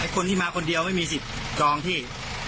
คนที่มาคนเดียวไม่มีสิทธิ์จองที่